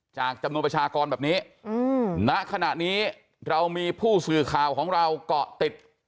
จากจำนวนประชากรแบบนี้ณขณะนี้เรามีผู้สื่อข่าวของเราเกาะติด